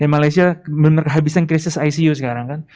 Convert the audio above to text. malaysia benar benar habiskan krisis icu sekarang kan